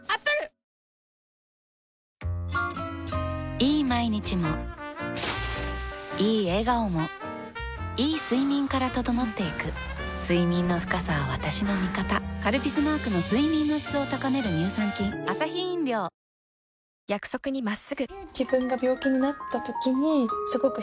いい毎日もいい笑顔もいい睡眠から整っていく睡眠の深さは私の味方「カルピス」マークの睡眠の質を高める乳酸菌ハロー「生茶」家では淹れられないお茶のおいしさ